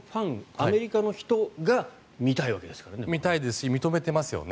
アメリカの人が見たいわけですからね。